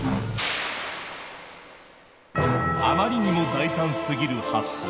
あまりにも大胆すぎる発想。